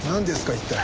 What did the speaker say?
一体。